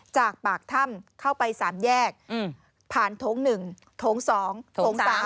จากปากถ้ำเข้าไป๓แยกผ่านโถง๑โถง๒โถง๓